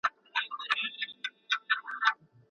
تاسي تل په مینه او پوره اخلاص سره په خپله ټولنه کي اوسیږئ.